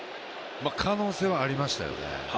可能性はありましたよね。